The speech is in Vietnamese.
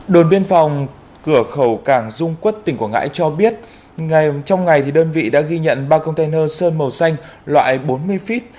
đồn biên phòng cửa khẩu cảng dung quốc tỉnh quảng ngãi cho biết trong ngày đơn vị đã ghi nhận ba container sơn màu xanh loại bốn mươi feet